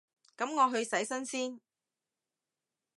噉我去洗身先